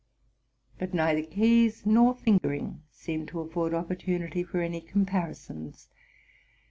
But neither keys nor fingering seemed to afford opportunity for any com parisons.